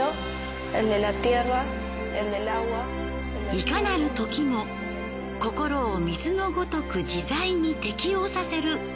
いかなるときも心を水のごとく自在に適応させる。